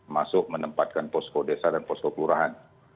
masuk menempatkan posko desa dan posko kelurahan